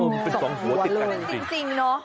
ก็ไม่คิดว่าหัวติดกันสิ